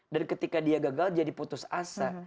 ketika dia gagal jadi putus asa